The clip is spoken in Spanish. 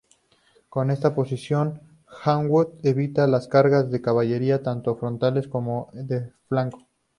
Con esta posición Hawkwood evitaba las cargas de caballería tanto frontales como de flanco.